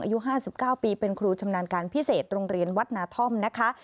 อายุ๕๙ปีเป็นครูชำนาญการพิเศษโรงเรียนวัดนาธอมนะคะ